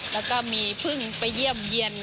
แล้วก็มีเพิ่งไปเยี่ยมเยี่ยน